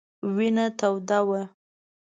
وینه توده وه.